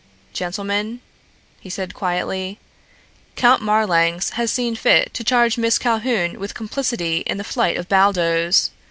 "Gentlemen," he said quietly, "Count Marlanx has seen fit to charge Miss Calhoun with complicity in the flight of Baldos.